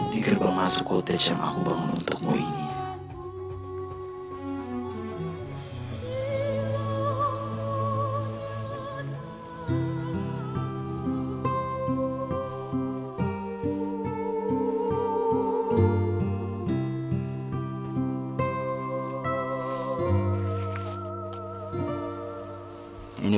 di gerbang masuk kote yang aku bangun untukmu ini